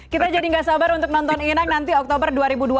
kita jadi tidak sabar untuk menonton inang nanti oktober dua ribu dua puluh dua